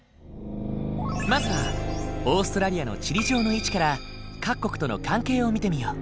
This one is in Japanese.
まずはオーストラリアの地理上の位置から各国との関係を見てみよう。